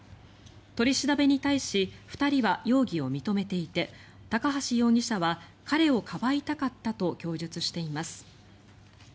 取り調べに対し２人は容疑を認めていて高橋容疑者は彼をかばいたかったと供述しています。